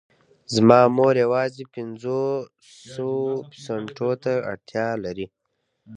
زما مور يوازې پنځوسو سنټو ته اړتيا لري.